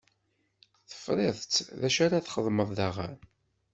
Tefriḍ-tt dacu ara txedmeḍ daɣen?